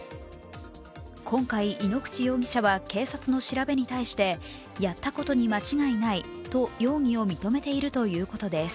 今回、井ノ口容疑者は警察の調べに対してやったことに間違いないと容疑を認めているということです。